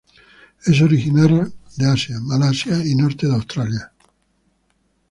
Es originario de Asia, Malasia y Norte de Australia.